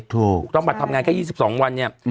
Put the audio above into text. ถูกต้องมาทำงานแค่๒๒วันเนี่ย